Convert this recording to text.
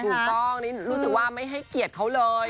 ถูกต้องนี่รู้สึกว่าไม่ให้เกียรติเขาเลย